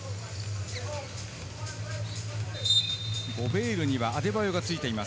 ゴベールにはアデバーヨがついています。